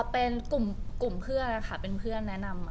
เป็นกลุ่มเพื่อนนะคะเป็นเพื่อนแนะนำ